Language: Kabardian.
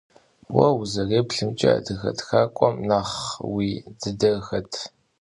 Vue vuzerêplhımç'e, adıge txak'ue nexh yin dıder xet?